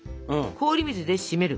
氷水でしめる。